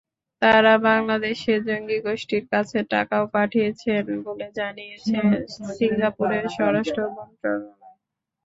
তাঁরা বাংলাদেশে জঙ্গিগোষ্ঠীর কাছে টাকাও পাঠিয়েছেন বলে জানিয়েছে সিঙ্গাপুরের স্বরাষ্ট্র মন্ত্রণালয়।